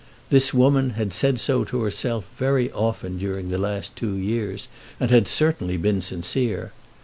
This woman had said so to herself very often during the last two years, and had certainly been sincere.